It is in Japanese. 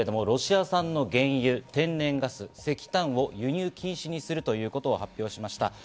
ロシア産の原油、天然ガス、石炭を輸入禁止にするということを発表しました。